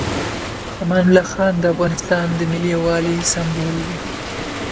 امان الله خان د افغانستان د ملي یووالي سمبول دی.